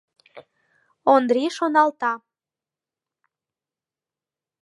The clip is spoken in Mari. — Ондрий шоналта.